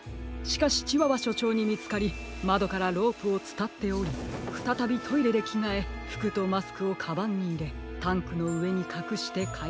しかしチワワしょちょうにみつかりまどからロープをつたっておりふたたびトイレできがえふくとマスクをカバンにいれタンクのうえにかくしてか